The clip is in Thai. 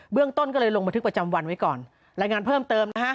เรื่องต้นก็เลยลงบันทึกประจำวันไว้ก่อนรายงานเพิ่มเติมนะฮะ